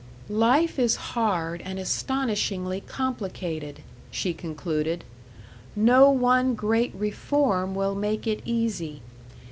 "Life is hard and astonishingly complicated," she concluded. "No one great reform will make it easy.